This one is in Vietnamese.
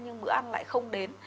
nhưng bữa ăn lại không đến